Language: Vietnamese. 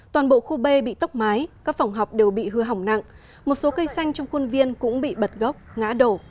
toàn bộ khu b bị tốc mái các phòng học đều bị hư hỏng nặng một số cây xanh trong khuôn viên cũng bị bật gốc ngã đổ